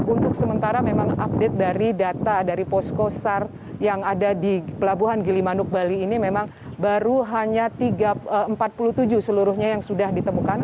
untuk sementara memang update dari data dari posko sar yang ada di pelabuhan gilimanuk bali ini memang baru hanya empat puluh tujuh seluruhnya yang sudah ditemukan